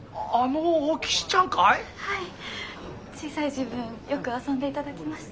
小さい時分よく遊んでいただきました。